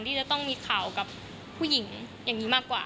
ที่จะต้องมีข่าวกับผู้หญิงอย่างนี้มากกว่า